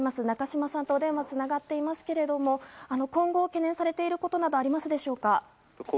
ナカシマさんと、お電話がつながっていますけれども今後、懸念されていることなどありますでしょうか。